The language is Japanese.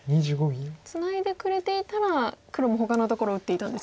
ツナいでくれていたら黒もほかのところ打っていたんですよね。